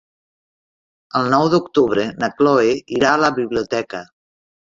El nou d'octubre na Cloè irà a la biblioteca.